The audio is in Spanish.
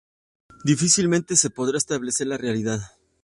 Difícilmente se podrá establecer la realidad.